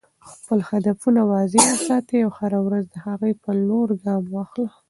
خپل هدفونه واضح وساته او هره ورځ د هغې په لور ګام واخله.